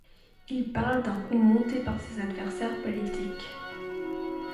Il parle d'un coup monté par ses adversaires politiques.